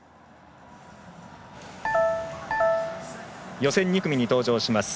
予選２組に登場します